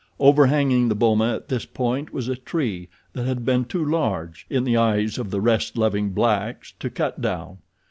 Overhanging the boma at this point was a tree that had been too large, in the eyes of the rest loving blacks, to cut down.